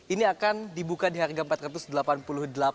ini akan dibuka di harga rp empat ratus delapan puluh delapan